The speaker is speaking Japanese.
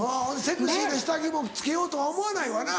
セクシーな下着も着けようとは思わないわな